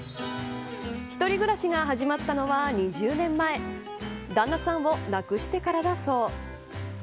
一人暮らしが始まったのは２０年前旦那さんを亡くしてからだそう。